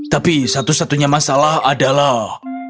tapi satu satunya masalah adalah